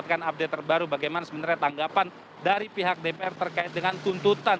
kita akan update terbaru bagaimana sebenarnya tanggapan dari pihak dpr terkait dengan tuntutan